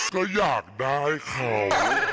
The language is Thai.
ก็อยากได้เขา